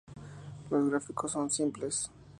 Los gráficos son simples.